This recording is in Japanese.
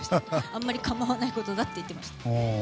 あまり構わないことだと言ってました。